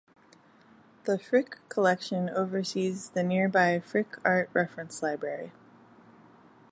The Frick Collection oversees the nearby Frick Art Reference Library.